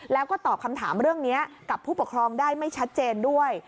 แล้วก็ตอบคำถามเรื่องนี้กับผู้ปกครองได้ไม่ชัดเจนด้วย